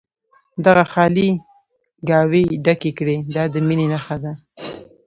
دغه خالي ګاوې ډکې کړي دا د مینې نښه ده.